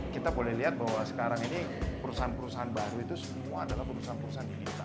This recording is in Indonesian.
kita boleh lihat bahwa sekarang ini perusahaan perusahaan baru itu semua adalah perusahaan perusahaan digital